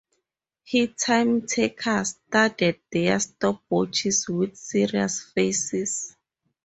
he time-takers studied their stopwatches with serious faces.